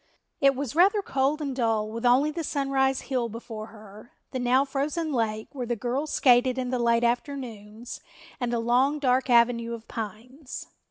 It was rather cold and dull with only the Sunrise Hill before her, the now frozen lake, where the girls skated in the late afternoons, and the long, dark avenue of pines.